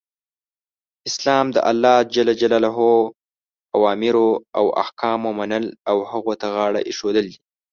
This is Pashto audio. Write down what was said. اسلام د الله ج اوامرو او احکامو منل او هغو ته غاړه ایښودل دی .